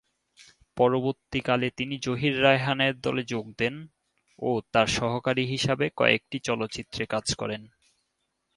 পরবর্তীকালে তিনি জহির রায়হানের দলে যোগ দেন ও তার সহকারী হিসেবে কয়েকটি চলচ্চিত্রে কাজ করেন।